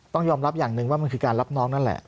ต้องยอมรับอย่างหนึ่งว่ามันคือการรับน้องนั่นแหละ